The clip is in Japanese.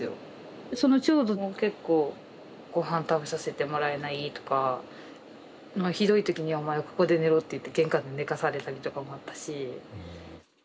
その長女も結構ごはん食べさせてもらえないとかひどい時にはお前ここで寝ろって言って玄関で寝かされたりとかもあったし。